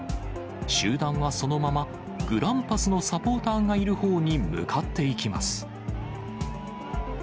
集団はそのままグランパスのサポーターがいるほうに向かっていきます。